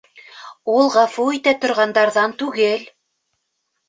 Ул ғәфү итә торғандарҙан түгел.